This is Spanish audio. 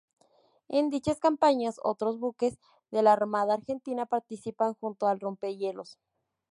En dichas campañas otros buques de la Armada Argentina participan junto al rompehielos.